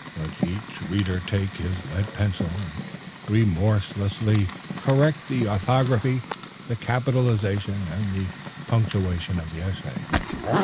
Let each reader take his lead pencil and remorselessly correct the orthography, the capitalization, and the punctuation of the essay.